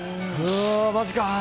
マジかー。